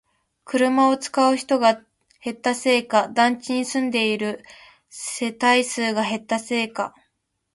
車を使う人が減ったせいか、団地に住んでいる世帯数が減ったせいか